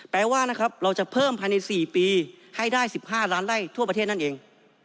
แปลว่านะครับเราจะเพิ่มภายใน๔ปีให้ได้๑๕ล้านไล่ทั่วประเทศนั่นเอง